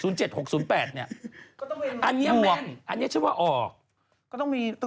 รสพ่วง๑๘หรอ